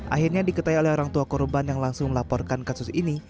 akhirnya diketahui oleh orang tua korban yang langsung melaporkan kasus ini